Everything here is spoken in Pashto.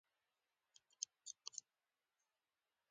ښوونځی د ماشومانو لپاره د فکري هڅو د پرانستلو ځای دی.